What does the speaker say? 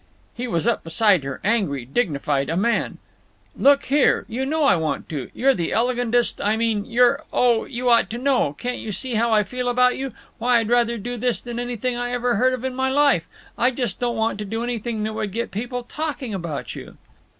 _" He was up beside her, angry, dignified; a man. "Look here. You know I want to. You're the elegantest—I mean you're—Oh, you ought to know! Can't you see how I feel about you? Why, I'd rather do this than anything I ever heard of in my life. I just don't want to do anything that would get people to talking about you."